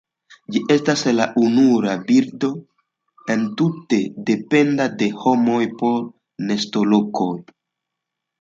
Ĝi estas la ununura birdo entute dependa de homoj por nestolokoj.